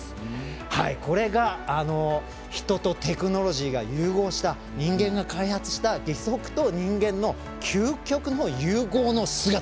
これが、ヒトとテクノロジーが融合した人間が開発した義足と人間の究極の融合の姿なんです。